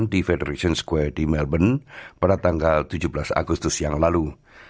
di federation square di melbourne pada tanggal tujuh belas agustus yang lalu